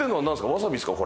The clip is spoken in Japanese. わさびですか？